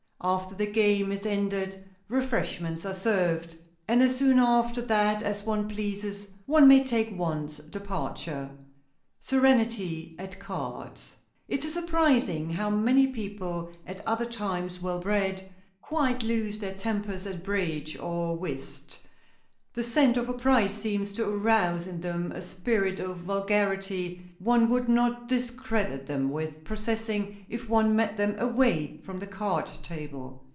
After the game is ended, refreshments are served, and as soon after that as one pleases one may take one's departure. [Sidenote: SERENITY AT CARDS] It is surprising how many people, at other times well bred, quite lose their tempers at bridge or whist. The scent of a prize seems to arouse in them a spirit of vulgarity one would not discredit them with possessing if one met them away from the card table.